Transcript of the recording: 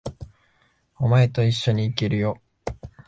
お前と一緒に行けるよ。